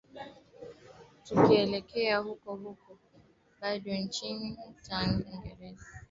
tukielekea huko huko bado nchini uingereza naomba kwamba wayne rooney